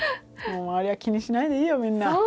もう周りは気にしないでいいよみんな。